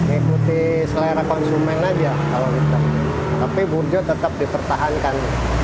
ikuti selera konsumen aja kalau tapi burjo tetap dipertahankan